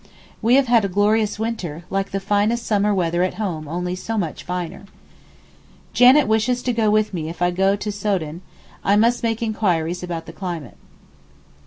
We have had a glorious winter, like the finest summer weather at home only so much finer. Janet wishes to go with me if I go to Soden, I must make enquiries about the climate.